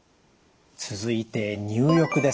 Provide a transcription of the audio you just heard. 続いて入浴です。